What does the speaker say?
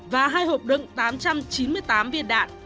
và hai hộp đựng tám trăm chín mươi tám viên đạn